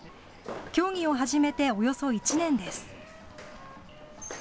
競技を始めておよそ１年です。